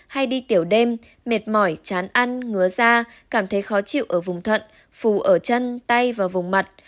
hay đi tiểu đêm mệt mỏi chán ăn ngứa da cảm thấy khó chịu ở vùng thận phù ở chân tay và vùng mặt